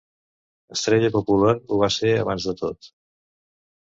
Estrella popular ho va ser abans de tot.